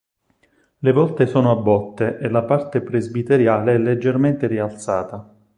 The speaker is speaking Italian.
Le volte sono a botte e la parte presbiteriale è leggermente rialzata.